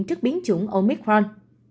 trước biến chủng omicron